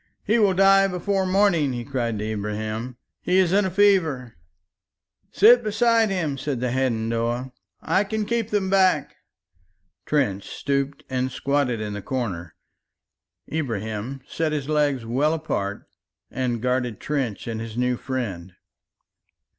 "He will die before morning," he cried to Ibrahim, "he is in a fever!" "Sit beside him," said the Hadendoa. "I can keep them back." Trench stooped and squatted in the corner, Ibrahim set his legs well apart and guarded Trench and his new friend.